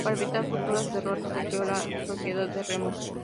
Para evitar futuras derrotas se creó la Sociedad de Remo.